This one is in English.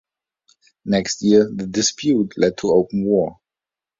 Next year the dispute led to open war.